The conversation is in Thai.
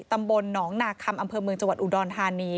ตำบลหนองนาคำอำเภอเมืองจังหวัดอุดรธานี